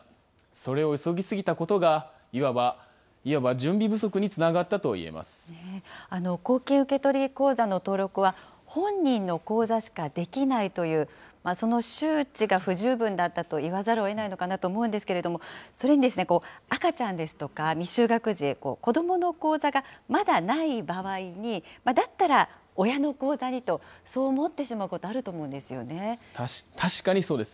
それを急ぎ過ぎたことが、いわば公金受取口座の登録は、本人の口座しかできないという、その周知が不十分だったといわざるをえないのかなと思うんですけれども、それにですね、赤ちゃんですとか未就学児、子どもの口座がまだない場合に、だったら親の口座にと、そう思ってしまうこと、確かにそうです。